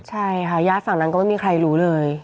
ใช่ค่ะญาติฝั่งนั้นก็ไม่มีใครรู้เลย